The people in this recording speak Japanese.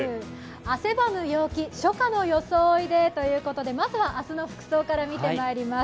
汗ばむ陽気、初夏の装いでということでまずは明日の服装から見てまいります。